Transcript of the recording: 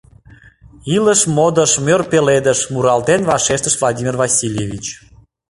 — Илыш — модыш, мӧр пеледыш... — муралтен вашештыш Владимир Васильевич.